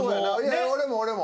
俺も俺も。